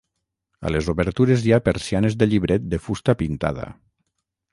A les obertures hi ha persianes de llibret de fusta pintada.